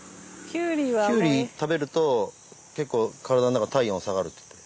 キュウリ食べると結構体の中体温下がるって。